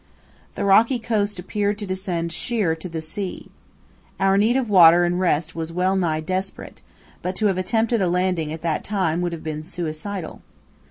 The rocky coast appeared to descend sheer to the sea. Our need of water and rest was well nigh desperate, but to have attempted a landing at that time would have been suicidal.